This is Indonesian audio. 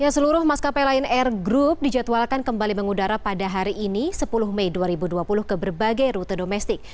seluruh maskapai lion air group dijadwalkan kembali mengudara pada hari ini sepuluh mei dua ribu dua puluh ke berbagai rute domestik